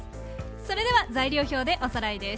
それでは材料表でおさらいです。